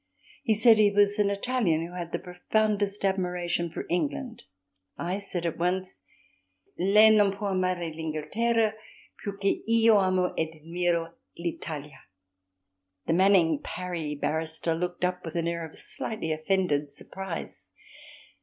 He said he was an Italian who had the profoundest admiration for England. I said at once— "Lei non può amare l'Inghilterra più che io amo ed ammiro l'Italia." The Manning Parry barrister looked up with an air of slightly offended surprise.